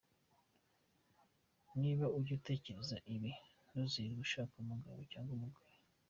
Niba Ujya Utekereza Ibi Ntuzirirwe Ushaka Umugabo cyangwa Umugore.